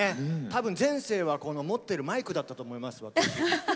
多分、前世は多分持っているマイクだったと思います。